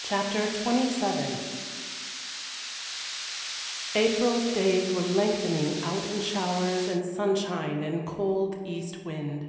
CHAPTER XXVII April's days were lengthening out in showers and sunshine and cold east wind.